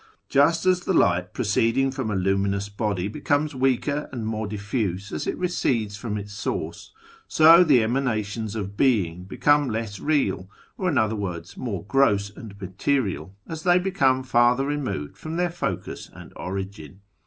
Just as the light proceeding from a luminous body becomes weaker and more diffuse as it recedes from its source, so the Emanations of Being become less real, or, in other words, more gross and material, as they become further removed from their focus and origin.